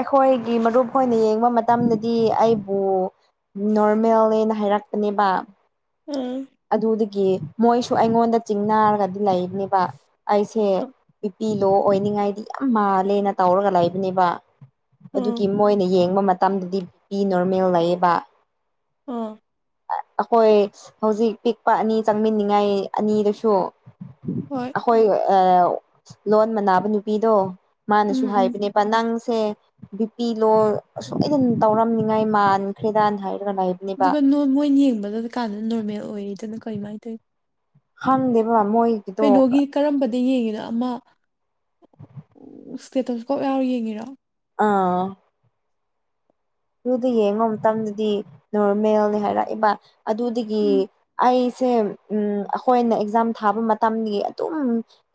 ꯑꯩꯈꯣꯏꯒꯤ ꯃꯔꯨꯞ ꯑꯣꯏꯅ ꯌꯦꯡꯕ ꯃꯇꯝꯗꯗꯤ ꯑꯩꯕꯨ ꯅꯣꯔꯃꯦꯜꯅꯦꯅ ꯍꯥꯏꯔꯛꯄꯅꯦꯕ ꯎꯝ ꯑꯗꯨꯗꯒꯤ ꯃꯣꯏꯁꯨ ꯑꯩꯉꯣꯟꯗ ꯆꯤꯡꯅꯔꯒꯗꯤ ꯂꯩꯕꯅꯦꯕ ꯑꯩꯁꯦ ꯏꯄꯤ ꯂꯣ ꯑꯣꯏꯅꯤꯡꯉꯥꯏꯗꯤ ꯌꯥꯝ ꯃꯥꯜꯂꯦꯅ ꯇꯧꯔꯒ ꯂꯩꯕꯅꯦꯕ ꯑꯗꯨꯒꯤ ꯎꯝ ꯃꯣꯏꯅ ꯌꯦꯡꯕ ꯃꯇꯝꯗꯗꯤ ꯕꯤ ꯄꯤ ꯅꯣꯔꯃꯦꯜ ꯂꯩꯌꯦꯕ ꯑꯣ ꯑꯩꯈꯣꯏ ꯍꯧꯖꯤꯛ ꯄꯤꯛꯄ ꯑꯅꯤ ꯆꯪꯃꯤꯅꯤꯡꯉꯥꯏ ꯑꯅꯤꯗꯨꯁꯨ ꯍꯣꯏ ꯑꯩꯈꯣꯏ ꯂꯣꯟ ꯃꯅꯥꯕ ꯅꯨꯄꯤꯗꯣ ꯃꯥꯅꯁꯨ ꯎꯝ ꯎꯝ ꯍꯥꯏꯕꯅꯦꯕ ꯅꯪ ꯁꯦ ꯕꯤꯄꯤ ꯂꯣ ꯁꯣꯏꯗꯅ ꯇꯧꯔꯝꯅꯤꯉꯥꯏ ꯃꯥꯟꯈ꯭ꯔꯦꯗꯥꯅ ꯍꯥꯏꯕ ꯏꯕꯅꯤꯕ ꯌꯦꯡꯕꯗꯨꯗ ꯀꯥꯟꯅ ꯅꯣꯔꯃꯦꯜ ꯑꯣꯏꯌꯦꯗꯅ ꯀꯩꯃꯥꯏꯅ ꯇꯧ ꯍꯥꯟꯗꯦꯕ ꯃꯣꯏꯒꯤꯗꯣꯛꯈ꯭ꯔ ꯑꯗꯩ ꯌꯦꯡꯉꯤꯗ ꯑꯃ ꯁꯇꯦꯠꯇꯁꯨ ꯀꯞ ꯌꯥꯎꯔꯣ ꯌꯦꯡꯉꯤꯔꯣ ꯑꯥ ꯑꯗꯨꯗ ꯌꯦꯡꯕ ꯃꯇꯝꯗꯗꯤ ꯅꯣꯔꯃꯦꯜꯅꯤ ꯍꯥꯏꯔꯛꯏꯕ ꯑꯗꯨꯗꯒꯤ ꯎꯝ ꯑꯩ ꯁꯦ ꯎ ꯑꯩꯈꯣꯏꯅ ꯑꯦꯛꯖꯥꯝ ꯊꯥꯕ ꯃꯇꯝꯒꯤ ꯑꯗꯨꯝ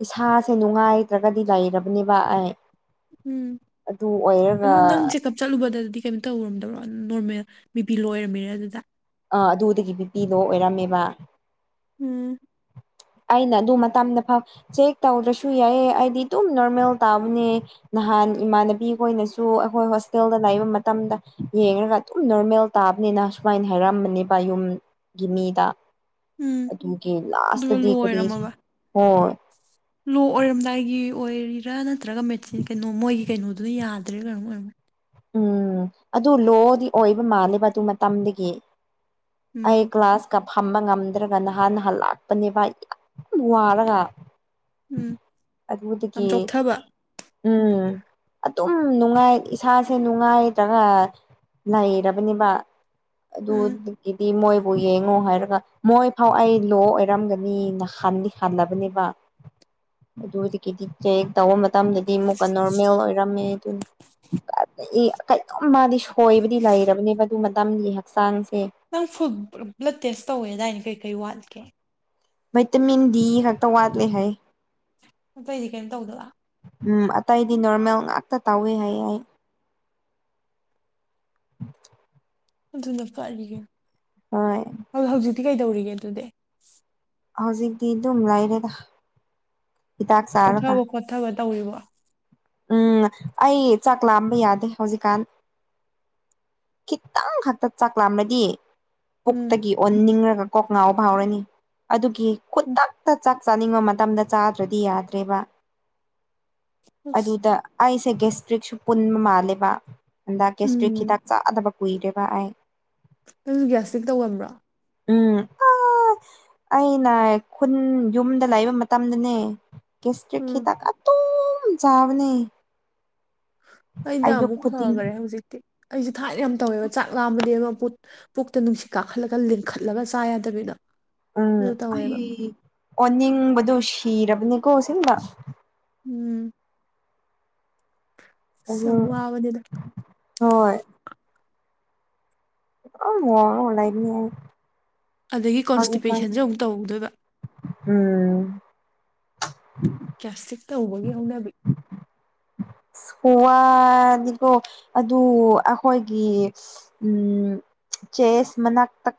ꯏꯁꯥꯁꯦ ꯅꯨꯡꯉꯥꯏꯇ꯭ꯔꯒꯗꯤ ꯂꯩꯔꯕꯔꯕꯅꯦꯕ ꯎꯝ ꯑꯗꯨ ꯅꯪ ꯆꯦꯛꯑꯞ ꯆꯠꯂꯨꯕꯗꯗꯤ ꯀꯩꯝꯇꯧꯔꯝꯗꯧꯔꯣ ꯅꯣꯔꯃꯦꯜ ꯄꯤ ꯂꯣꯏꯔꯝꯃꯤꯔ ꯑꯗꯨꯗ ꯑ ꯑꯗꯨꯗꯒꯤ ꯄꯤꯕꯤꯗꯣ ꯑꯣꯏꯔꯝꯃꯦꯕ ꯎꯝ ꯑꯩꯅ ꯑꯗꯨ ꯃꯇꯝꯗ ꯐꯥꯎ ꯆꯦꯛ ꯇꯧꯗ꯭ꯔꯁꯨ ꯌꯥꯏꯑ ꯑꯩꯗꯤ ꯑꯗꯨꯝ ꯅꯣꯔꯃꯦꯜ ꯇꯥꯕꯅꯦ ꯅꯍꯥꯟ ꯏꯃꯥꯟꯅꯕꯤꯈꯣꯏꯅꯁꯨ ꯑꯩꯈꯣꯏ ꯍꯣꯁꯇꯦꯜꯗ ꯂꯩꯅꯥꯏꯕ ꯃꯇꯝꯗ ꯌꯦꯡꯉꯒ ꯑꯗꯨꯝ ꯅꯣꯔꯃꯦꯜ ꯇꯥ ꯍꯥꯕꯅꯤꯅ ꯁꯨꯃꯥꯏꯅ ꯍꯥꯏꯔꯝꯕꯅꯦꯕ ꯌꯨꯝꯒꯤ ꯃꯤꯗ ꯎꯝ ꯑꯗꯨꯒꯤ ꯑꯗꯨꯒ ꯂꯥꯁꯗꯤ ꯂꯣ ꯀꯔꯤ ꯑꯣꯏꯔꯝꯃꯕ ꯍꯣꯏ ꯂꯣ ꯑꯣꯏꯔꯝꯗꯥꯏꯒꯤ ꯑꯣꯏꯔꯤꯔꯥ ꯅꯠꯇ꯭ꯔꯒ ꯃꯦꯆꯤꯟ ꯀꯩꯅꯣ ꯃꯣꯏꯒꯤ ꯀꯩꯅꯣꯗꯨꯅ ꯌꯥꯗ꯭ꯔꯦꯥ ꯀꯩꯅꯝ ꯑꯣꯏꯔꯝ ꯎꯝ ꯑꯗꯨ ꯂꯣꯗꯤ ꯑꯣꯏꯕ ꯃꯥꯜꯂꯦꯕ ꯑꯗꯨ ꯃꯇꯝꯗꯒꯤ ꯎꯝ ꯑꯩ ꯀ꯭ꯂꯥꯁ ꯀ ꯐꯝꯕ ꯉꯝꯗ꯭ꯔꯒ ꯅꯍꯥꯟ ꯅꯍꯥꯟ ꯂꯥꯛꯄꯅꯦꯕ ꯌꯥꯝ ꯋꯥꯔꯒ ꯎꯝ ꯌꯥꯝ ꯑꯗꯨꯕꯨꯠꯇꯗꯒꯤ ꯆꯣꯛꯊꯕ ꯎꯝ ꯑꯗꯨꯝ ꯅꯨꯡꯉꯥꯏ ꯏꯁꯥꯁꯦ ꯅꯨꯡꯉꯥꯏꯇ꯭ꯔꯒ ꯂꯩꯔꯕꯅꯦꯕ ꯎꯝ ꯑꯗꯨꯗꯤ ꯃꯣꯏ ꯕꯨ ꯌꯦꯡꯉꯣ ꯍꯥꯏꯔꯒ ꯃꯣꯏ ꯐꯥꯎ ꯑꯩ ꯂꯣ ꯑꯣꯏꯔꯝꯒꯅꯤꯅ ꯍ ꯍꯜꯂꯕꯅꯦꯕ ꯑꯗꯨꯗꯒꯤꯗꯤ ꯆꯦꯛ ꯇꯧꯕ ꯃꯇꯝꯗꯗꯤ ꯑꯃꯨꯛꯀ ꯅꯣꯔꯃꯦꯜ ꯑꯣꯏꯔꯝꯃꯦ ꯑꯗꯨꯅꯤ ꯀꯩꯇꯨꯝ ꯃꯥꯗꯤ ꯁꯣꯏꯕꯗꯤ ꯂꯩꯔꯕꯅꯦꯕ ꯑꯗꯨ ꯃꯇꯝꯒꯤ ꯍꯛꯆꯥꯡ ꯅꯪ ꯐꯨꯜ ꯕ꯭ꯂꯗ ꯇꯦꯁ ꯇꯧꯋꯦ ꯑꯗꯨꯗꯥꯏꯅꯦ ꯀꯩꯀꯩ ꯋꯥꯠꯀꯦ ꯚꯥꯏꯇꯥꯃꯤꯟ ꯗꯤ ꯈꯛꯇ ꯋꯥꯠꯂꯦ ꯍꯥꯏ ꯑꯇꯩꯗꯤ ꯀꯩꯝ ꯇꯧꯗꯕ ꯎꯝ ꯑꯇꯩꯗꯤ ꯅꯣꯔꯃꯦꯜ ꯉꯥꯛꯇ ꯇꯥꯎꯋꯦ ꯍꯥꯏ ꯑꯩ ꯑꯗꯨꯅ ꯐꯔꯤꯌꯦ ꯍꯣꯏ ꯗꯤ ꯀꯩꯗꯧꯔꯤꯒꯦ ꯑꯗꯨꯗꯤ ꯍꯧꯖꯤꯛꯇꯤ ꯑꯗꯨꯝ ꯂꯩꯔꯦꯗ ꯍꯤꯗꯥꯛ ꯆꯥꯔꯒ ꯁꯣꯛꯊꯕ ꯈꯣꯠꯊꯕ ꯇꯧꯋꯔꯤꯕ ꯎꯝ ꯑꯩ ꯆꯥꯛ ꯂꯥꯝꯕ ꯌꯥꯗꯦ ꯍꯧꯖꯤꯛꯀꯥꯟ ꯈꯤꯇꯪ ꯈꯛꯇ ꯆꯥꯛꯂꯝꯥꯂꯗꯤ ꯎꯝ ꯄꯨꯛꯇꯒꯤ ꯑꯣꯟꯅꯤꯡꯂꯒ ꯀꯣꯛ ꯉꯥꯎ ꯐꯥꯎꯔꯅꯤ ꯑꯗꯨꯒꯤ ꯎꯝ ꯈꯨꯗꯛꯇ ꯆꯥꯛ ꯆꯥꯅꯤꯡꯕ ꯃꯇꯝꯗ ꯆꯥꯗ꯭ꯔꯗꯤ ꯌꯥꯗ꯭ꯔꯦꯕ ꯑꯁ ꯑꯗꯨꯗ ꯑꯩꯁꯦ ꯒꯦꯁꯇ꯭ꯔꯤꯛꯁꯨ ꯄꯨꯟꯕ ꯃꯥꯜꯂꯦꯕ ꯍꯟꯗꯛ ꯒꯦꯁꯇ꯭ꯔꯤꯛ ꯎꯝ ꯍꯤꯗꯥꯛ ꯆꯥꯗꯕ ꯍꯨꯏꯗꯕ ꯑꯩꯥꯏ ꯅꯪꯁꯨ ꯒ꯭ꯌꯥꯁꯇꯤꯛ ꯇꯧꯒꯝꯕ꯭ꯔꯣ ꯎꯝ ꯑ ꯑꯩꯅ ꯈꯨꯟ ꯌꯨꯝꯗ ꯂꯩꯕ ꯃꯇꯝꯗꯅꯦ ꯀꯦꯁꯇꯔꯤꯈꯤ ꯎꯝ ꯇꯀꯥ ꯑꯗꯨꯨ ꯆꯥꯎꯅꯦ ꯑꯩꯅ ꯑꯃꯨꯛ ꯐꯈꯔꯦ ꯍꯧꯖꯤꯛꯇꯤ ꯑꯩꯁꯦ ꯊꯥꯏꯅ ꯌꯥꯝ ꯇꯧꯋꯦꯕ ꯆꯥꯛ ꯂꯥꯝꯕꯗꯤ ꯑꯃ ꯠ ꯄꯨꯛꯇ ꯅꯨꯡꯁꯤꯠꯥꯈꯠꯂꯒ ꯂꯤꯡꯈꯠꯂꯒ ꯆꯥ ꯌꯥꯗꯕꯤꯗ ꯎꯝ ꯑꯩ ꯑꯣꯅꯤꯡꯕꯗꯣ ꯁꯤꯔꯕꯅꯤꯀꯣ ꯁꯤꯝꯗ ꯎꯝ ꯑꯁ ꯑꯗ ꯌꯥꯝ ꯋꯥꯕꯅꯤꯗ ꯍꯣꯏ ꯑ ꯃ ꯑꯣꯂꯅꯤ ꯑꯗꯒꯤ ꯀꯣꯟꯁꯇꯤꯄꯦꯁꯟꯁꯨ ꯑꯃꯨꯛ ꯇꯧꯧꯗꯣꯏꯕ ꯎꯝ ꯦꯁꯇꯤꯛ ꯇ ꯍꯧꯕꯒꯤ ꯍꯧꯅꯕꯤ ꯍꯋꯥꯅꯤꯀꯣ ꯑꯗꯨ ꯑꯩꯈꯣꯏꯒꯤ ꯎꯝ ꯆꯦꯁ ꯃꯅꯥꯛꯇ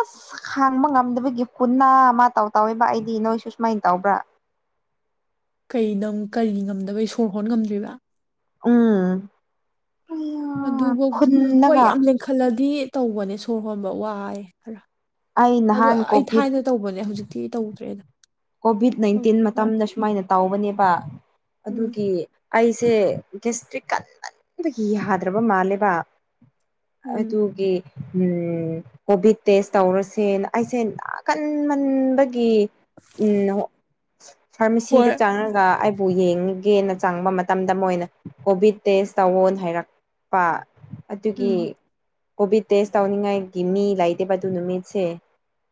ꯑꯁ ꯍꯥꯡꯕ ꯉꯝꯗꯕꯒꯤ ꯄꯨꯅꯥ ꯑꯃ ꯇꯧ ꯇꯧꯋꯦꯕ ꯑꯩꯗꯤ ꯅꯣꯏꯁꯨ ꯁꯨꯃꯥꯏꯅ ꯇꯧꯕ꯭ꯔꯥ [inaudible] [inaudible] ꯑꯩ ꯅꯪ ꯀꯔꯤ ꯉꯝꯗꯕꯩ ꯁꯣꯔ ꯍꯣꯟ ꯉꯝꯗ꯭ꯔꯤꯕ ꯎꯝ ꯑꯌꯥ ꯑꯗꯨꯐꯧꯗꯤ ꯍꯣꯏ ꯐꯨꯜꯂꯒ ꯌꯥꯝ ꯂꯦꯡꯈꯠꯂꯗꯤ ꯇꯧꯕꯅꯦ ꯁꯣꯔ ꯍꯣꯟꯕ ꯋꯥꯑꯦ ꯈꯔ ꯑꯩ ꯑꯣ ꯅꯍꯥꯟ ꯑꯩ ꯀꯣꯚꯤꯠ ꯊꯥꯏꯅ ꯇꯧꯕꯅꯦ ꯍꯧꯖꯤꯛꯇꯤ ꯇꯧꯗ꯭ꯔꯦꯗ ꯀꯣꯚꯤꯠ ꯅꯥꯏꯟꯇꯤꯟ ꯍꯧꯖꯤꯛꯇꯤ ꯐꯔꯦ ꯃꯇꯝꯗ ꯁꯨꯃꯥꯏꯅ ꯇꯥꯎꯧꯕꯅꯦꯕ ꯎꯝ ꯑꯗꯨꯒꯤ ꯑꯩꯁ ꯁꯦ ꯒꯦꯁꯇ꯭ꯔꯤ ꯀꯟꯃꯟꯕꯒꯤ ꯌꯥꯗ꯭ꯔꯕ ꯃꯥꯜꯂꯦꯕ ꯎꯝ ꯑꯗꯨꯒꯤ ꯎꯝ ꯀꯣꯚꯤꯠ ꯇꯦꯁ ꯇꯧꯔꯁꯦꯅ ꯑꯩꯁꯦ ꯅꯥꯀꯟꯃꯟꯕꯒꯤ ꯎꯝ ꯐꯥꯔꯃꯥꯁꯤꯗ ꯍꯣꯏ ꯆꯪꯉꯒ ꯕꯨ ꯌꯦꯡꯒꯦꯅ ꯆꯪꯕ ꯃꯇꯝꯗ ꯃꯣꯏꯅ ꯀꯣꯚꯤꯠ ꯇꯦꯁ ꯇꯧꯋꯣ ꯍꯥꯏꯔꯛꯄ ꯑꯗꯨꯒꯤ ꯎꯝ ꯀꯣꯚꯤꯠ ꯇꯦꯁ ꯇꯧꯅꯤꯡꯉꯥꯏꯒꯤ ꯃꯤ ꯂꯩꯇꯦꯕ ꯑꯗꯨ ꯅꯨꯃꯤꯠꯁꯦ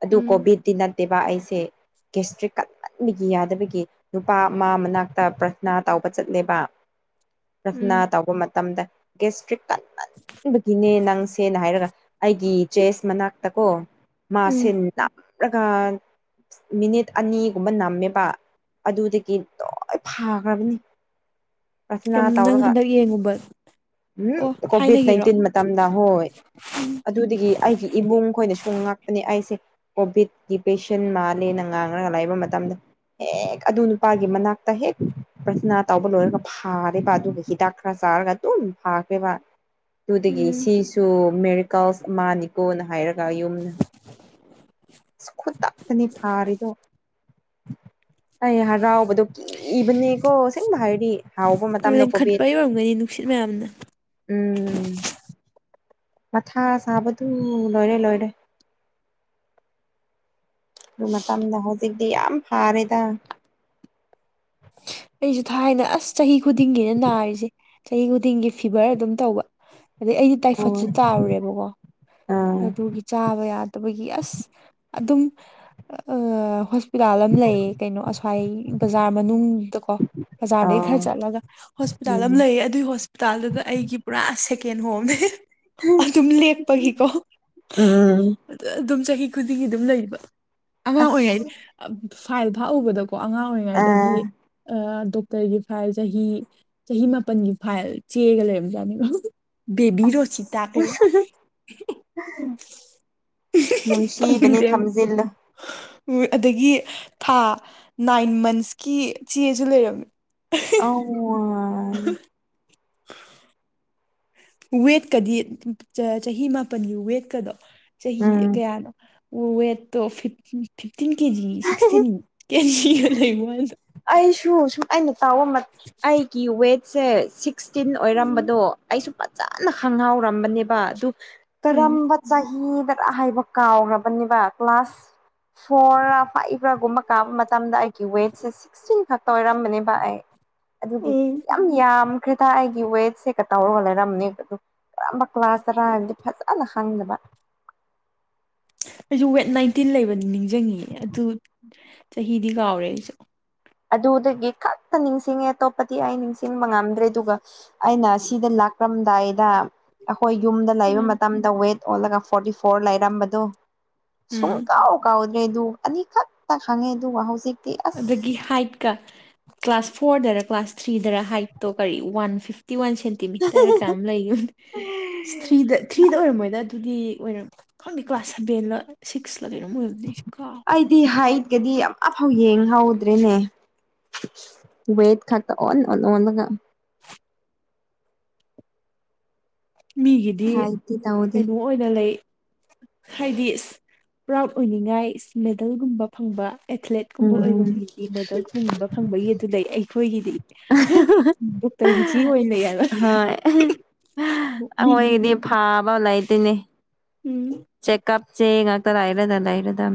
ꯑꯗꯨ ꯎꯝ ꯀꯣꯚꯤꯠꯇꯤ ꯅꯠꯇꯦꯕ ꯑꯩꯁꯦ ꯀꯦꯁꯇ꯭ꯔꯤꯛ ꯀꯟꯍꯟꯕꯤꯒꯤ ꯌꯥꯗꯕꯒꯤ ꯅꯨꯄꯥ ꯃꯥ ꯃꯅꯥꯛꯇ ꯄ꯭ꯔꯊꯅꯥ ꯇꯥꯎꯧꯕ ꯆꯠꯂꯦꯕ [inaudible] ꯔ꯭ꯔꯁꯅꯥ ꯎꯝ ꯇꯧꯕ ꯃꯇꯝꯗ ꯒꯦꯁꯇ꯭ꯔꯤꯛ ꯀꯟꯟꯕꯒꯤꯅꯦ ꯅꯪꯁꯦꯅ ꯍꯥꯏꯔꯒ ꯑꯩꯒꯤ ꯆꯦꯁ ꯃꯅꯥꯛꯇ ꯀꯣ ꯎꯝ ꯃꯥꯁꯦꯟ ꯅ꯭ꯔꯒꯥꯟ ꯃꯤꯅꯤꯠ ꯑꯅꯤꯒꯨꯝꯕ ꯅꯝꯃꯦꯕ ꯑꯗꯨꯗꯒꯤ ꯂꯣꯏ ꯐꯥꯈ꯭ꯔꯕꯅꯤ ꯔꯔꯊꯅꯥ ꯀꯝ ꯅꯪ ꯇꯧꯔꯒ ꯍꯟꯗꯛ ꯌꯦꯡꯉꯨꯕ ꯎꯝ ꯑꯣ ꯀꯣꯚꯤꯠ ꯊꯥꯏꯅꯒꯤꯔꯣ ꯅꯥꯏꯟꯇꯤꯟ ꯃꯇꯝꯗ ꯍꯣꯏ ꯑꯗꯨꯗꯒꯤ ꯑꯩꯒꯤ ꯏꯕꯨꯡ ꯈꯣꯏꯅ ꯁꯨꯝ ꯉꯥꯛꯄꯅꯦ ꯑꯩꯁꯦ ꯀꯣꯚꯤꯠꯀꯤ ꯄꯦꯁꯦꯟ ꯃꯥꯜꯂꯦꯅ ꯉꯥꯡꯔꯒ ꯂꯩꯕ ꯃꯇꯝꯗ ꯍꯦꯛ ꯑꯗꯨ ꯅꯨꯄꯥꯒꯤ ꯃꯅꯥꯛꯇ ꯍꯦꯛ ꯄ꯭ꯔꯊꯅꯥ ꯇꯧꯕ ꯂꯣꯏꯔꯒ ꯐꯥꯔꯦꯕ ꯑꯗꯨꯒ ꯍꯤꯗꯥꯛ ꯈꯔ ꯇꯥꯔꯒ ꯇꯨꯝ ꯐꯥꯈ꯭ꯔꯦꯕ ꯑꯗꯨꯗꯒꯤ ꯎꯝ ꯁꯤꯁꯨ ꯃꯦꯔꯤꯀꯜꯁ ꯑꯃꯅꯤꯀꯣꯅ ꯍꯥꯏꯔ ꯌꯨꯝꯅ ꯈꯨꯗꯛꯇꯅꯤ ꯐꯥꯔꯤꯗꯣ ꯑꯩ ꯍꯔꯥꯎꯕꯗꯣ ꯀꯤꯕꯅꯦꯀꯣ ꯁꯤꯦꯡꯕ ꯍꯥꯏꯗꯤ ꯍꯔꯥꯎꯕ ꯃꯇꯝꯗ ꯀꯣꯚꯠ ꯃꯅꯤ ꯅꯨꯡꯁꯤꯠ ꯃꯌꯥꯝꯅ ꯃꯊꯥ ꯁꯥꯕꯗꯨ ꯂꯣꯏꯔꯦ ꯂꯣꯏꯔꯦ ꯑꯗꯨ ꯃꯇꯝꯗ ꯍꯧꯖꯤꯛꯇꯤ ꯌꯥꯝ ꯐꯔꯦꯗ ꯑꯩꯁꯨ ꯊꯥꯏꯅ ꯑꯁ ꯆꯍꯤ ꯈꯨꯗꯤꯡꯒꯤꯅ ꯅꯥꯔꯤꯁꯦ ꯆꯍꯤ ꯈꯨꯗꯤꯡꯒꯤ ꯐꯤꯚꯔ ꯑꯗꯨꯝ ꯇꯧꯕ ꯑꯗꯩ ꯑꯩꯗꯤ ꯇꯥꯏꯐꯣꯏꯠꯁꯦ ꯍꯣꯏ ꯇꯥꯔꯨꯔꯦꯕꯀꯣ ꯑꯥ ꯑꯗꯨꯒꯤ ꯆꯥꯕ ꯌꯥꯗꯕꯒꯤ ꯑꯁ ꯑꯗꯨꯝ ꯍꯣꯁꯄꯤꯇꯥꯜ ꯑꯃ ꯂꯩꯌꯦ ꯀꯩꯅꯣ ꯑꯁ꯭ꯋꯥꯏ ꯕꯖꯥꯔ ꯃꯅꯨꯡꯗ ꯀ ꯕꯖꯥꯔꯗꯩ ꯑꯥ ꯈꯔ ꯆꯠꯂꯒ ꯍꯣꯁꯄꯤꯇꯥꯜ ꯑꯃ ꯎꯝ ꯂꯩꯌꯦ ꯑꯗꯨꯒꯤ ꯍꯣꯁꯄꯤꯇꯥꯜꯗꯨꯗ ꯑꯩꯒꯤ ꯄꯨꯔꯥ ꯀ ꯍꯣꯝꯅꯦ ꯑꯗꯨꯝ ꯂꯦꯛꯄꯒꯤꯀꯣ ꯎꯝ ꯑꯗꯨꯝ ꯆꯍꯤ ꯈꯨꯗꯤꯡꯒꯤ ꯑꯗꯨꯝ ꯂꯩꯕ ꯑꯃ ꯑꯣꯏꯗꯤ ꯑꯁ ꯐꯥꯏꯜ ꯐꯥꯛꯎꯕꯗꯣ ꯀꯣ ꯑꯉꯥꯡ ꯑ ꯑꯣꯏꯔꯤꯉꯩꯗꯒꯤ ꯗꯣꯛꯇꯔꯒꯤ ꯐꯥꯏꯜ ꯆꯍꯤ ꯆꯍꯤ ꯃꯥꯄꯜꯒꯤ ꯐꯥꯏꯜ ꯆꯦꯒ ꯂꯩꯔꯔꯕꯝꯖꯥꯠꯅꯦꯕ ꯕꯦꯕꯤꯔꯣꯁꯤ ꯑꯁ ꯇꯈꯦ ꯅꯨꯡꯁꯤꯕꯅꯤ ꯊꯝꯖꯤꯜꯂꯨ ꯑꯗꯒꯤ ꯊꯥ ꯅꯥꯏꯟ ꯃꯟꯁꯀꯤ ꯆꯦꯁꯨ ꯂꯩꯔꯝꯃꯤ ꯑꯣ [unintelligible] ꯋꯦꯠꯀꯗꯤ ꯆꯍꯤ ꯃꯥꯄꯟꯒꯤ ꯋꯦꯠꯀꯗꯣ ꯆꯍꯤ ꯎꯝ ꯀꯌꯥꯅꯣ ꯋꯦꯇꯣ ꯐꯤꯐꯇꯤꯟ ꯀꯦꯖꯤ ꯁꯤꯛꯁꯇꯤꯟ ꯀꯦꯖꯤ ꯑꯩ ꯁꯨ ꯁ ꯑꯩꯅ ꯇꯥꯎꯕ ꯑꯩꯒꯤ ꯋꯦꯠꯁꯦ ꯁꯤꯛꯁꯇꯤꯟ ꯎꯝ ꯑꯣꯏꯔꯝꯕꯗꯣ ꯑꯩꯁꯨ ꯐꯖ ꯀꯅ ꯈꯪꯍꯥꯎꯔꯝꯕꯅꯦꯕ ꯑꯗꯨ ꯎꯝ ꯀꯔꯝꯕ ꯆꯍꯤ ꯑꯍꯥꯏꯕ ꯀꯥꯎꯈ꯭ꯔꯕꯅꯤꯕ ꯀ꯭ꯂꯥꯁ ꯐꯣꯔ ꯐꯥꯏꯚꯥꯒꯨꯝꯕ ꯀꯥ ꯃꯇꯝꯗ ꯑꯩꯒꯤ ꯋꯦꯠꯁꯦ ꯁꯤꯛꯁꯇꯤꯟ ꯈꯛꯇ ꯑꯣꯏꯔꯝꯕꯅꯦꯕ ꯑꯩ ꯑꯗꯨꯒꯤ ꯎꯝ ꯌꯥꯝ ꯌꯥꯝꯈ꯭ꯔꯦꯗ ꯑꯩꯒꯤ ꯋꯦꯠꯁꯦ ꯀ ꯇꯧꯔꯒ ꯂꯩꯔꯝꯅꯦ ꯑꯗꯨ ꯀ꯭ꯂꯥꯁ ꯇꯔꯥ ꯍꯥꯏꯔꯗꯤ ꯐꯖꯅ ꯍꯪꯗꯕ ꯑꯩꯁꯨ ꯋꯦꯠ ꯅꯥꯏꯟꯇꯤꯟ ꯂꯩꯕꯅꯤ ꯅꯤꯡꯁꯤꯡꯉꯤ ꯑꯗꯨ ꯆꯍꯤꯗꯤ ꯀꯥꯎꯔꯦ ꯑꯩꯁꯨ ꯑꯗꯨꯗꯒꯤ ꯈꯛꯇ ꯅꯤꯡꯁꯤꯡꯉꯦ ꯑꯇꯣꯞꯄꯗꯤ ꯑꯩ ꯅꯤꯡꯁꯤꯡꯕ ꯉꯝꯗ꯭ꯔꯦ ꯑꯗꯨꯒ ꯑꯩꯅ ꯁꯤꯗ ꯀ꯭ꯔꯝꯗꯥꯏꯗ ꯍꯣꯏ ꯌꯨꯝꯗ ꯂꯩꯕ ꯎꯝ ꯃꯇꯝꯗ ꯋꯦꯠ ꯑꯣꯜꯂꯒ ꯐꯣꯔꯇꯤ ꯐꯣꯔ ꯂꯩꯔꯝꯕꯗꯨꯣ ꯁꯨꯡ ꯎꯝ ꯀꯥꯎ ꯀꯥꯎꯗ꯭ꯔꯦꯗꯨ ꯑꯅꯤꯈꯛꯇ ꯈꯪꯉꯦ ꯑꯗꯨꯒ ꯍꯧꯖꯤꯛ ꯑꯗꯒꯤ ꯍꯥꯏꯠꯀ ꯀ꯭ꯂꯥꯁ ꯐꯣꯔꯗꯔ ꯀ꯭ꯂꯥꯁ ꯊ꯭ꯔꯤꯗꯔ ꯍꯥꯏꯠꯇꯣ ꯀꯔꯤ ꯋꯥꯟ ꯐ ꯐꯤꯇꯤ ꯋꯥꯟ ꯁꯦꯟꯇꯤꯃꯤꯇꯔ ꯀꯝ ꯂꯩ ꯊ꯭ꯔꯤꯗ ꯊ꯭ꯔꯤꯗ ꯑꯣꯏꯔꯝꯃꯣꯏꯗ ꯑꯗꯨꯒꯤ ꯑꯣꯏꯅꯝ ꯈꯪꯗꯦ ꯀ꯭ꯂꯥꯁ ꯁꯚꯦꯟꯂ ꯁꯤꯛꯁꯂ ꯀꯩꯅꯔꯝ ꯑꯣꯏꯕꯅꯦ ꯑꯩꯁꯨ ꯀꯥꯎ ꯀꯗꯤ ꯑꯃꯐꯥꯎ ꯌꯦꯡꯍꯧꯗ꯭ꯔꯦꯅꯦ ꯋꯦꯠ ꯈꯇ ꯑꯣ ꯑꯣꯒ ꯃꯤꯒꯤꯗꯤ ꯍꯥꯏꯠꯇꯤ ꯇꯧꯗꯦ ꯀꯩꯅꯣ ꯑꯣꯏꯅ ꯂꯩ ꯍꯥꯏꯗꯤ ꯄ꯭ꯔꯥꯎꯠ ꯑꯣꯏꯅꯤꯡꯉꯥꯏ ꯃꯦꯗꯜꯒꯨꯝꯕ ꯐꯪꯕ ꯑꯦꯊ꯭ꯂꯦꯠꯀꯨꯝꯕ ꯑꯣꯏꯕ ꯎꯝ ꯃꯤꯗꯤ ꯃꯦꯗꯜ ꯀꯨꯡꯕ ꯐꯪꯕꯒꯤ ꯑꯗꯨ ꯂꯩ ꯑꯩꯈꯣꯏꯒꯤꯗꯤ ꯄꯨꯇꯔꯒꯤ ꯆꯤ ꯑꯣꯏꯅ ꯌꯥꯅ ꯍꯣꯏ ꯑꯩꯈꯣꯏꯒꯤꯗꯤ ꯐꯥꯕ ꯂꯩꯇꯣꯏꯅꯦ ꯆꯦꯛꯀꯑꯞ ꯆꯦ ꯉꯥꯛꯇꯔ ꯍꯥꯏꯥꯏꯔꯗ ꯂꯥꯏꯔꯗ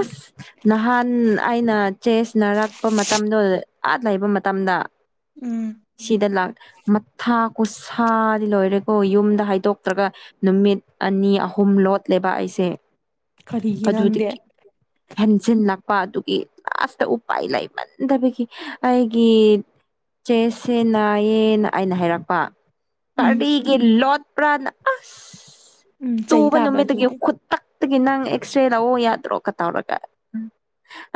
ꯑꯁ ꯅꯍꯥꯟ ꯑꯩꯅ ꯆꯦꯁꯅꯔꯛꯄ ꯃꯇꯝꯗꯣ ꯑꯥꯠ ꯂꯩꯕ ꯃꯇꯝꯗ ꯎꯝ ꯁꯤꯗ ꯂꯥꯛ ꯃꯊꯥ ꯀꯨꯁꯥꯗꯤ ꯂꯣꯏꯔꯦꯀꯣ ꯌꯨꯝꯗ ꯍꯥꯏꯗꯣꯛꯇ꯭ꯔꯒ ꯅꯨꯃꯤꯠ ꯑꯅꯤ ꯑꯍꯨꯝ ꯍꯨꯝ ꯂꯣꯠꯂꯦꯕ ꯑꯩꯁꯦ ꯀꯔꯤꯒꯤ ꯅꯪꯗꯦ ꯑꯗꯨꯗꯒꯤ ꯍꯦꯟꯖꯤꯜꯂꯛꯄ ꯑꯗꯨꯒꯤ ꯂꯥꯁꯇ ꯎꯄꯥꯏ ꯂꯩꯃꯟꯗꯕꯒꯤ ꯑꯩꯒꯤ ꯆꯦꯁꯁꯦ ꯅꯥꯏꯌꯦꯦꯅ ꯑꯩꯅ ꯍꯥꯏꯔꯛꯄ ꯎꯝ ꯇꯔꯤꯒꯤ ꯂꯣꯠꯄ꯭ꯔꯥꯅ ꯑꯁ ꯆꯩ ꯇꯨꯕ ꯇꯥꯕ ꯅꯨꯃꯤꯠꯇꯒꯤ ꯑꯗꯨꯗꯤ ꯈꯨꯠꯇꯛ ꯑꯒꯤ ꯅꯪ ꯑꯦꯛꯁ ꯔꯦ ꯂꯑꯣ ꯌꯥꯗ꯭ꯔꯣꯒ ꯇꯧꯔꯒ ꯎꯝ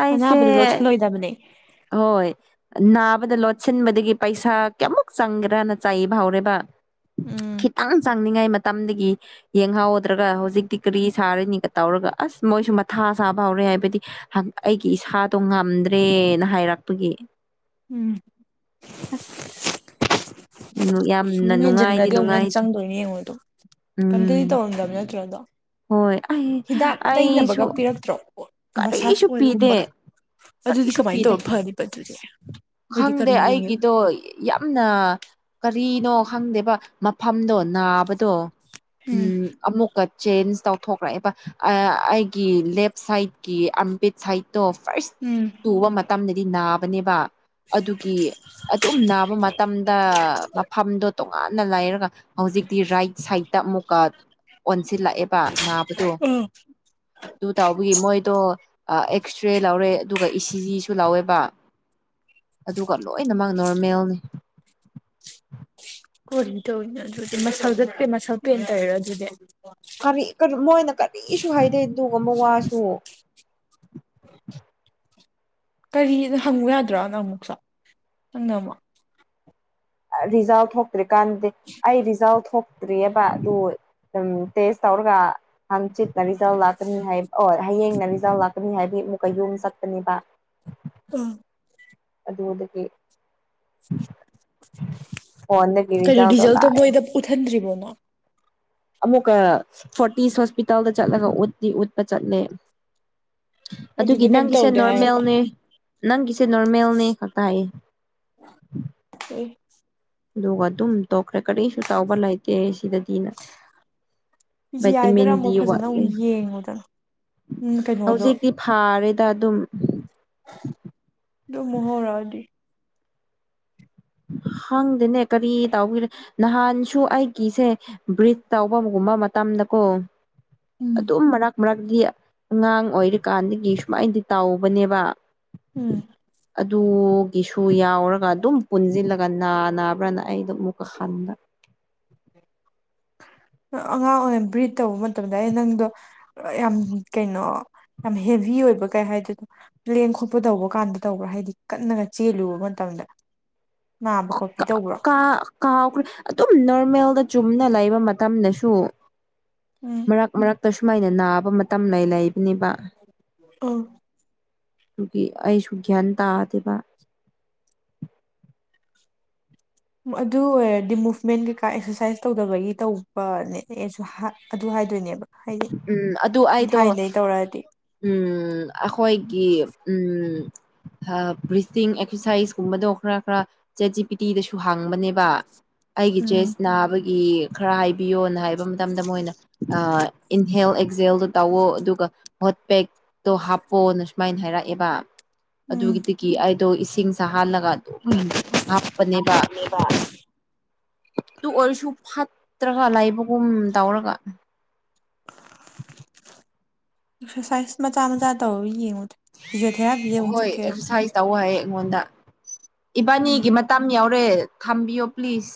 ꯑꯩꯁꯦ ꯑꯅꯥꯕꯗꯣ ꯂꯣꯠꯁꯤꯜꯂꯣꯏꯗꯕꯅꯦ ꯍꯣꯏ ꯅꯥꯕꯗ ꯂꯣꯠꯁꯤꯟꯕꯗꯒꯤ ꯄꯩꯁꯥ ꯀꯌꯥꯃꯨꯛ ꯆꯪꯒ꯭ꯔꯅ ꯆꯥꯏꯕ ꯐ ꯍꯧꯥꯎꯔꯦꯕ ꯎꯝ ꯈꯤꯇꯪ ꯆꯥꯡꯅꯤꯡꯉꯥꯏ ꯃꯇꯝꯗꯒꯤ ꯌꯦꯡꯍꯧꯗ꯭ꯔꯒ ꯍꯧꯖꯤꯛ ꯇꯤꯛꯀꯔꯤ ꯁꯥꯔꯤꯅꯤꯒ ꯇꯧꯔꯒ ꯑꯁ ꯃꯣꯏꯁꯨ ꯊꯥ ꯁꯥꯥꯕ ꯍꯧꯔꯦ ꯍꯥꯏꯕꯗꯤ ꯑꯩꯒꯤ ꯏꯁꯥꯗꯣ ꯉꯝꯗ꯭ꯔꯦꯅ ꯍꯥꯏꯔꯛꯄꯒꯤ ꯑꯁ ꯁꯨꯝ ꯌꯥꯝꯅ ꯅꯨꯡꯉꯥꯏꯗꯤ ꯍꯦꯟꯖꯤꯟꯈ꯭ꯔꯗꯤ ꯑꯃꯨꯛ ꯍꯦꯟꯅ ꯅꯨꯡꯉꯥꯏꯇꯦ ꯆꯪꯗꯣꯏꯅꯦ ꯌꯦꯡꯉꯣ ꯑꯗꯣ ꯀꯩꯝꯇꯗꯤ ꯎꯝ ꯇꯧꯔꯝꯗꯕ ꯅꯠꯇ꯭ꯔꯣ ꯑꯗꯣ ꯍꯣꯏ ꯑ ꯑ ꯁ ꯃꯁꯥꯥꯁ ꯑꯣꯏꯜꯒꯨꯝꯕꯒ ꯑꯗꯨꯗꯤ ꯀꯔꯤꯁꯨ ꯀꯃꯥꯏꯅ ꯄꯤꯗꯦ ꯇꯧꯔ ꯐꯅꯤꯕ ꯑꯗꯨꯗꯤ ꯃꯣꯏꯗꯤ ꯈꯪꯗꯦ ꯀꯔꯤ ꯌꯦꯡꯉꯦꯕ ꯑꯩꯒꯤꯗꯣ ꯌꯥꯝꯅ ꯀꯔꯤꯅꯣ ꯈꯪꯗꯦꯕ ꯃꯐꯝꯗꯣ ꯅꯥꯕꯗꯣ ꯎꯝ ꯑꯃꯨꯛꯀ ꯆꯦꯟꯖ ꯇꯧꯊꯣꯛꯈ꯭ꯔꯛꯑꯦꯕ ꯑꯩꯒꯤ ꯂꯦꯞ ꯁꯥꯏꯠꯀꯤ ꯑꯝꯕꯤꯠ ꯁꯥꯏꯗꯠꯇꯣ ꯐꯥꯔꯁ ꯎꯝ ꯇꯨꯕ ꯃꯇꯝꯗꯗꯤ ꯅꯥꯕꯅꯦꯕ ꯑꯗꯨꯒꯤ ꯑꯗꯨꯝ ꯅꯥꯕ ꯃꯇꯝꯗ ꯃꯐꯝꯗꯣ ꯇꯣꯉꯥꯟꯅ ꯂꯥꯏꯔꯒ ꯍꯧꯖꯤꯛꯇꯤ ꯔꯥꯏꯠ ꯁꯥꯏꯗꯠꯇ ꯑꯃꯨꯛꯀ ꯁꯤꯜꯂꯛꯑꯦꯕ ꯅꯥꯕꯗꯣ ꯎꯝ ꯑꯗꯨ ꯇꯥꯎꯕꯒꯤ ꯃꯣꯏꯗꯣ ꯑꯦꯛꯁ ꯔꯦ ꯂꯧꯔꯦ ꯑꯗꯨꯒ ꯏꯁꯤꯖꯤꯁꯨ ꯂꯥꯎꯋꯦꯕ ꯑꯗꯨꯒ ꯂꯣꯏꯅꯃꯛ ꯅꯣꯔꯃꯦꯜꯅꯤ ꯀꯣ ꯇꯧꯅꯦ ꯑꯗꯨꯗꯤ ꯃꯁꯛ ꯆꯠꯄꯦ ꯃꯁꯛ ꯄꯦꯅ ꯇꯧꯔꯣ ꯑꯗꯨꯗꯤ ꯀꯔꯤ ꯃꯣꯏꯅ ꯀꯔꯤꯁꯨ ꯍꯥꯏꯗꯦ ꯑꯗꯨꯒꯕ ꯋꯥꯁꯨ [unintelligible] [inaudible] ꯀꯔꯤꯗ ꯍꯪꯉꯨ ꯌꯥꯗ꯭ꯔꯥꯅꯪ ꯑꯃꯨꯛꯁꯨ ꯅꯪꯅ ꯑꯃꯣ ꯔꯤꯖꯥ ꯊꯣꯛꯇ꯭ꯔꯤ ꯀꯥꯟꯗꯦ ꯑꯩ ꯔꯤꯖꯥ ꯊꯣꯛꯇ꯭ꯔꯤꯑꯕ ꯑꯗꯨ ꯇꯦꯁ ꯇꯧꯔꯒ ꯍꯪꯆꯤꯠ ꯅ ꯔꯤꯖꯥꯜ ꯂꯥꯛꯀꯅꯤ ꯍꯥꯏ ꯑꯣ ꯍꯌꯦꯡꯅ ꯔꯤꯖꯥꯜ ꯂꯥꯛꯀꯅꯤ ꯍꯥꯏꯕꯤ ꯑꯃꯨꯛ ꯀꯩꯨꯝ ꯑꯃ ꯆꯠꯀꯅꯦꯕ ꯎꯝ ꯑꯗꯨꯗꯕꯨꯂ ꯀꯦ ꯐꯣꯟꯣꯟ ꯄꯤꯔꯤ ꯀꯩꯅꯣ ꯆꯥꯎꯗ ꯔꯤꯖꯜꯇꯣ ꯂꯥꯛꯑ ꯃꯣꯏꯗ ꯎꯠꯍꯟꯗ꯭ꯔꯤꯕꯣ ꯅꯪ ꯑꯃꯨꯛꯀ ꯐꯣꯔꯇꯤꯁ ꯍꯣꯁꯄꯤꯇꯥꯜꯗ ꯆꯠꯂꯒ ꯎꯂꯤ ꯎꯠꯄ ꯆꯠꯂꯦ ꯑꯗꯨꯒꯤ ꯑꯗꯨꯗ ꯀꯩꯝ ꯅꯪꯒꯤꯁꯦ ꯇꯧꯗꯦ ꯍꯥꯏꯔꯛꯄ ꯅꯣꯔꯃꯦꯜꯅꯦ ꯅꯪꯒꯤꯁꯦ ꯅꯣꯔꯃꯦꯜꯅꯦ ꯈꯇꯥꯏꯌꯦ ꯎ [unintelligible] [inaudible] ꯑꯗꯨꯒ ꯑꯗꯨꯝ ꯇꯣꯛꯈ꯭ꯔꯦ ꯀꯔꯤꯁꯨ ꯇꯥꯎꯕ ꯂꯩꯇꯦ ꯁꯤꯗꯗꯤꯅ ꯖꯤ ꯑꯥꯏꯗꯔ ꯑꯃꯨꯛ ꯕꯥꯇꯃꯦꯟꯗꯤꯗꯤꯠ ꯐꯖꯅ ꯂꯩ ꯑꯃꯨꯛ ꯌꯦꯡꯉꯨꯗꯅ ꯎꯝ ꯀꯩꯅꯣꯗꯣ ꯍꯧꯖꯤꯛꯇꯤ ꯐꯥꯔꯦꯗ ꯑꯗꯨꯝ ꯑꯗꯨ ꯃꯣꯍꯣꯔꯥꯎꯗꯤ [unintelligible] [inaudible] ꯈꯪꯗꯦꯅꯦ ꯀꯔꯤ ꯇꯧꯕꯔꯦ ꯅꯍꯥꯟꯁꯨ ꯑꯩꯒꯤꯁꯦ ꯕ꯭ꯔꯤꯠ ꯇꯧꯕꯒꯨꯝꯕ ꯃꯇꯝ ꯀꯣ ꯎꯝ ꯑꯗꯨꯝ ꯃꯔꯛ ꯃꯔꯛꯇꯗꯤ ꯑꯉꯥꯡ ꯑꯣꯏꯔꯤꯀꯥꯟꯗꯒꯤ ꯁꯨꯃꯥꯏꯅꯗꯤ ꯇꯥꯎꯕꯅꯦꯕ ꯎꯝ ꯑꯗꯨꯒꯤꯁꯨ ꯌꯥꯎꯔꯒ ꯑꯗꯨꯝ ꯄꯨꯟꯁꯤꯜꯂꯒ ꯅꯥ ꯅꯥꯕ꯭ꯔꯥꯅ ꯑꯩꯗ ꯃꯨꯀ ꯈꯟꯗ ꯎ [unintelligible] [inaudible] ꯑꯉꯥꯡ ꯑꯣꯏꯔꯤꯉ ꯕ꯭ꯔꯤꯠ ꯇꯧꯕ ꯃꯇꯝꯗ ꯑꯩ ꯅꯪꯗꯣ ꯌꯥꯝ ꯀꯩꯅꯣ ꯌꯥꯝ ꯍꯦꯚ ꯑꯣꯏꯕ ꯀꯩ ꯍꯥꯏꯗꯨꯗꯣ ꯂꯦꯡ ꯈꯣꯠꯄ ꯇꯧꯕ ꯀꯥꯟꯗ ꯇꯧꯕ꯭ꯔꯥ ꯍꯥꯏꯗꯤ ꯀꯟꯅꯒ ꯆꯦꯜꯂꯨꯕ ꯃꯇꯝꯗ [unintelligible] [inaudible] ꯈꯣꯠꯄꯤ ꯇꯧꯕ꯭ꯔꯣ ꯀꯥ ꯀꯥꯎꯈ꯭ꯔ ꯑꯗꯨꯝ ꯅꯣꯔꯃꯦꯜꯗ ꯆꯨꯝꯅ ꯂꯩꯕ ꯃꯇꯝꯗꯁꯨ ꯎꯝ ꯃꯔꯛ ꯃꯔꯛꯇ ꯁꯨꯃꯥꯏꯅ ꯅꯥꯕ ꯇꯝꯂ ꯂꯩꯥꯏꯕꯅꯦꯕ ꯑꯧ ꯑꯗꯨꯒꯤ ꯑꯩꯁꯨ ꯒ꯭ꯌꯥꯟ ꯇꯥꯗꯦꯕ ꯑꯗꯨ ꯑꯣꯏꯔꯗꯤ ꯃꯨꯚꯃꯦꯟ ꯀꯩꯀꯥ ꯑꯦꯛꯁꯔꯁꯥꯏꯁ ꯇꯧꯗꯕꯒꯤ ꯇꯧꯕꯅꯦ ꯑꯦꯁꯨ ꯑꯗꯨ ꯍꯥꯏꯗꯣꯏꯅꯦꯕ ꯍꯥꯏꯗꯤ ꯎꯝ ꯑꯗꯨ ꯑꯩꯗꯣ ꯊꯥꯏꯅꯗꯒꯤ ꯇꯧꯔꯛꯑꯗꯤ ꯎꯝ ꯑꯩꯈꯣꯏꯒꯤ ꯎꯝ [unintelligible] [inaudible] ꯕ꯭ꯔꯤꯇꯤꯡ ꯑꯦꯛꯁꯔꯁꯥꯏꯁꯀꯨꯝꯕꯗꯣ ꯈꯔ ꯈꯔ ꯆꯦ ꯤ ꯄꯤꯇꯤꯗꯁꯨ ꯍꯥꯡꯕꯅꯦꯕ ꯑꯩꯒꯤ ꯎꯝ ꯖꯦꯁ ꯅꯥꯕꯒꯤ ꯈꯔ ꯍꯥꯏꯕꯤꯌꯣꯅ ꯍꯥꯏꯕ ꯃꯇꯝꯗ ꯃꯣꯏꯅ ꯍꯦꯜ ꯑꯦꯛꯖꯦꯜꯗꯣ ꯇꯧꯋꯣ ꯑꯗꯨꯒ ꯍꯣꯠ ꯄꯦꯛꯇꯣ ꯍꯥꯞꯄꯣꯅ ꯁꯨꯃꯥꯏꯅ ꯍꯥꯏꯔꯛꯑꯦꯕ ꯎꯝ ꯑꯗꯨꯒꯤꯗꯒꯤ ꯑꯩꯗꯣ ꯏꯁꯤꯡꯁ ꯍꯥꯜꯂꯒ ꯎꯝ ꯍꯥꯞꯄꯅꯦꯕ ꯑꯗꯨ ꯑꯣꯏꯔꯁꯨ ꯐꯠꯇ꯭ꯔꯒ ꯂꯩꯥꯏꯕꯒꯨꯝ ꯇꯎꯔꯒ [unintelligible] ꯑꯦꯛꯁꯔꯁꯥꯏꯁ ꯃꯆꯥ ꯃꯆꯥ ꯇꯧ ꯌꯦꯡꯉꯨ꯫ ꯍꯣꯏ ꯑꯦꯛꯁꯔꯁꯥꯏꯁ ꯇꯧ ꯍꯥꯏꯌꯦ꯫ ꯑꯩꯉꯣꯟꯗ ꯎꯝ ꯏꯕꯥꯅꯤꯒꯤ ꯃꯇꯝ ꯌꯥꯎꯔꯦ ꯈꯝꯕꯤꯌꯣ ꯄ꯭ꯂꯤꯖ꯫